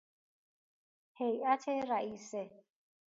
هیئت رئیسه